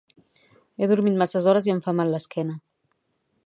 He dormit masses hores i em fa mal l'esquena